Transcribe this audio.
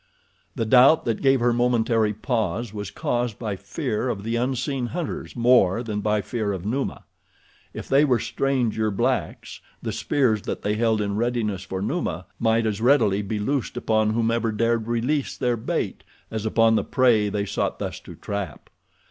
The doubt that gave her momentary pause was caused by fear of the unseen hunters more than by fear of Numa. If they were stranger blacks the spears that they held in readiness for Numa might as readily be loosed upon whomever dared release their bait as upon the prey they sought thus to trap.